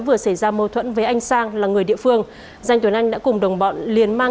vừa xảy ra mâu thuẫn với anh sang là người địa phương danh tuấn anh đã cùng đồng bọn liền mang